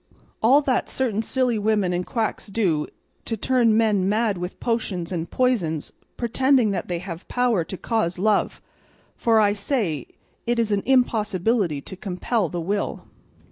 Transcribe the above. All that certain silly women and quacks do is to turn men mad with potions and poisons, pretending that they have power to cause love, for, as I say, it is an impossibility to compel the will."